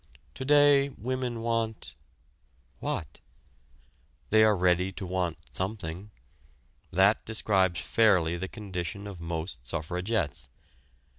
To day women want what? They are ready to want something: that describes fairly the condition of most suffragettes.